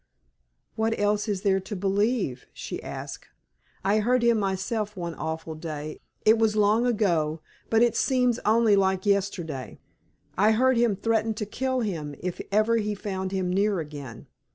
"What else is there to believe?" she asked. "I heard him myself one awful day it was long ago, but it seems only like yesterday I heard him threaten to kill him if ever he found him near again.